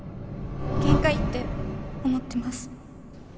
限界って思ってます